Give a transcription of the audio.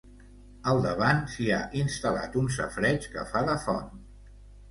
Al davant s'hi ha instal·lat un safareig que fa de font.